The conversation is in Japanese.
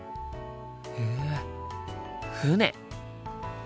へえ船。